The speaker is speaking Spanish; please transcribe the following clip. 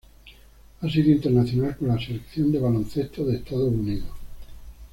Ha sido internacional con la Selección de baloncesto de Estados Unidos.